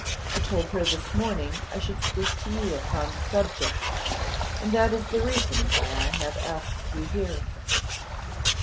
I told her this morning I should speak to you upon the subject, and that is the reason why I have asked you here.